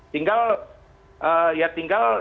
tinggal ya tinggal